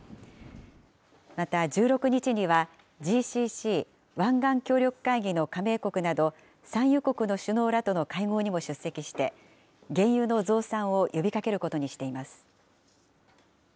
また１６日には、ＧＣＣ・湾岸協力会議の加盟国など産油国の首脳らとの会合にも出席して、原油の増産を呼びかけることにしています。